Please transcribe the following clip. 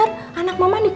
cam aku mau pxide dia